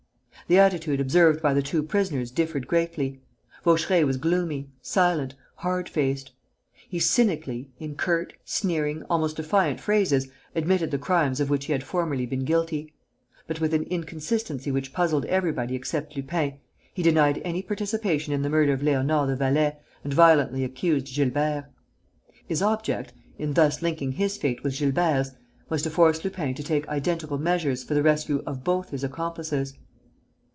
The attitude observed by the two prisoners differed greatly. Vaucheray was gloomy, silent, hard faced. He cynically, in curt, sneering, almost defiant phrases, admitted the crimes of which he had formerly been guilty. But, with an inconsistency which puzzled everybody except Lupin, he denied any participation in the murder of Léonard the valet and violently accused Gilbert. His object, in thus linking his fate with Gilbert's, was to force Lupin to take identical measures for the rescue of both his accomplices.